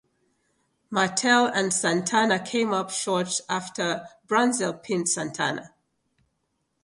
Martel and Santana came up short after Brunzell pinned Santana.